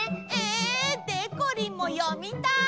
え！でこりんも読みたい！